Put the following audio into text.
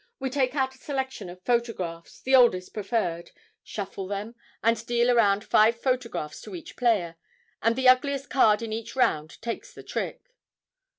We take out a selection of photographs, the oldest preferred, shuffle them, and deal round five photographs to each player, and the ugliest card in each round takes the trick.'